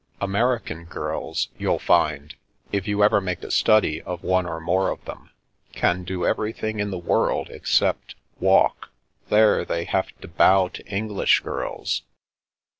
American girls, you'll find, if you ever make a study of one or more of them, can do everything in the world except — walk. There they have to bow to English girls."